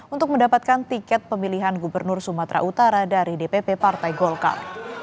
untuk mendapatkan tiket pemilihan gubernur sumatera utara dari dpp partai golkar